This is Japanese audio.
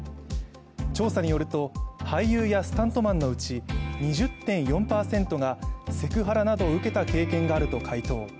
調査によると、俳優やスタントマンのうち２０．４％がセクハラなどを受けた経験があると回答。